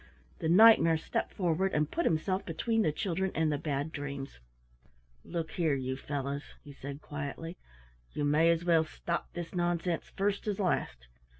The Knight mare stepped forward and put himself between the children and the Bad Dreams. "Look here, you fellows," he said quietly, "you may as well stop this nonsense first as last.